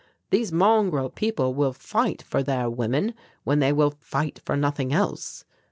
These mongrel people will fight for their women when they will fight for nothing else.